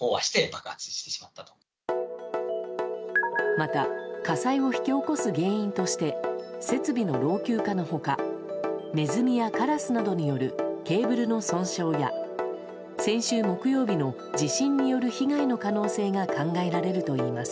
また火災を引き起こす原因として設備の老朽化の他ネズミやカラスなどによるケーブルの損傷や先週木曜日の地震による被害の可能性が考えられるといいます。